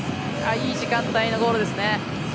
いい時間帯のゴールですね。